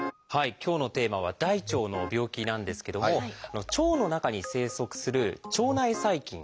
今日のテーマは大腸の病気なんですけども腸の中に生息する腸内細菌。